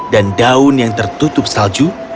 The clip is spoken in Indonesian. dan daun yang tertutup salju